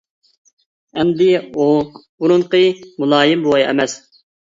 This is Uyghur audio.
ئەمدى ئۇ بۇرۇنقى مۇلايىم بوۋاي ئەمەس.